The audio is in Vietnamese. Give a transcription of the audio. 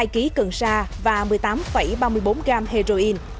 hai kg cần sa và một mươi tám ba mươi bốn gram heroin